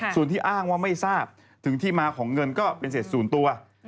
ส่วนที่อ้างว่าไม่ทราบถึงที่มาของเงินก็เป็นเศษศูนย์ตัว